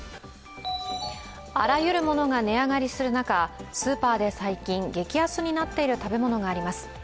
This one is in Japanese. あらゆるものが値上がりする中スーパーで最近、激安になっている食べ物があります。